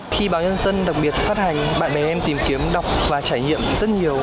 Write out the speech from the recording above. khi báo nhân dân đặc biệt phát hành bạn bè em tìm kiếm đọc và trải nghiệm rất nhiều